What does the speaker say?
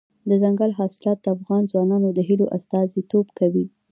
دځنګل حاصلات د افغان ځوانانو د هیلو استازیتوب کوي.